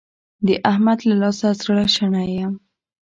د احمد له لاسه زړه شنی يم.